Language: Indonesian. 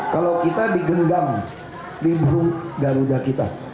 kalau kita digendam di burung garuda kita